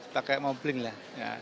pakai mobling lah